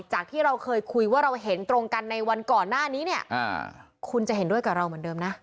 จากที่เราเคยคุยว่าเราเห็นตรงกันในวันก่อนหน้านี้เนี่ยคุณจะเห็นด้วยกับเราเหมือนเดิมนะ